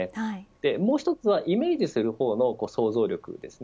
もう１つはイメージする方の想像力ですね。